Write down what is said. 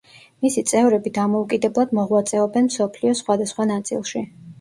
მისი წევრები დამოუკიდებლად მოღვაწეობენ მსოფლიოს სხვადასხვა ნაწილში.